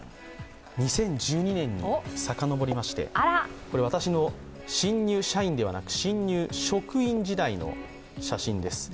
２０１２年にさかのぼりましてこれ、私の新入社員ではなく新入職員時代の写真です。